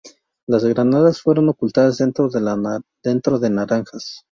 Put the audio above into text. Las granadas fueron ocultadas dentro de naranjas.